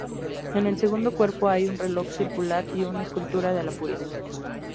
En el segundo cuerpo hay un reloj circular y una escultura de la Purísima.